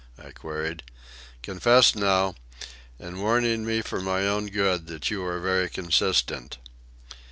I queried. "Confess, now, in warning me for my own good, that you are very consistent."